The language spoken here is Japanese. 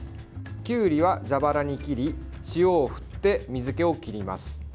きゅうりは蛇腹に切り塩を振って水けを切ります。